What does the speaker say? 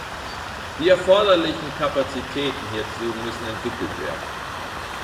Die erforderlichen Kapazitäten hierzu müssen entwickelt werden.